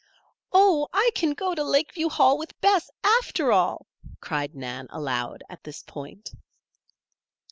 "Oh! I can go to Lakeview Hall with Bess, after all!" cried Nan, aloud, at this point.